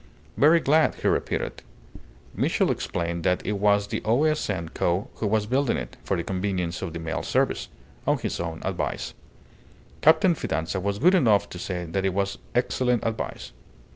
Very glad, he repeated. Mitchell explained that it was the O. S. N. Co. who was building it, for the convenience of the mail service, on his own advice. Captain Fidanza was good enough to say that it was excellent advice.